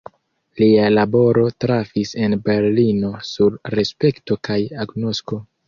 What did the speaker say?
Lia laboro trafis en Berlino sur respekto kaj agnosko.